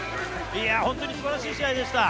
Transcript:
本当に素晴らしい試合でした。